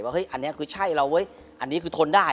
ว่าอันนี้คือใช่แล้วเว้ยอันนี้คือทนได้